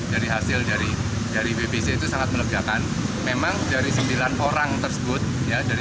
jadi hasil dari bbc itu sangat melegakan